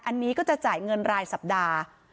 อันนี้ก็จะจ่ายเงินรายสัปดาห์